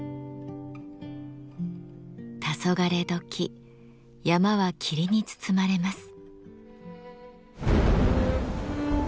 たそがれ時山は霧に包まれます。